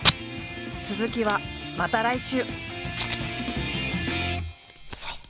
続きはまた来週。